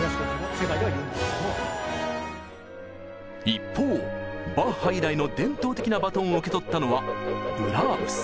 一方バッハ以来の伝統的なバトンを受け取ったのはブラームス。